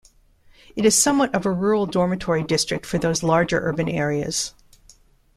It is somewhat of a rural dormitory district for these larger urban areas.